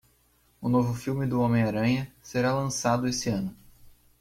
O novo filme do Homem-Aranha será lançado esse ano.